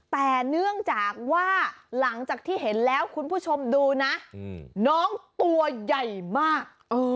แต่เนื่องจากว่าหลังจากที่เห็นแล้วคุณผู้ชมดูนะน้องตัวใหญ่มาก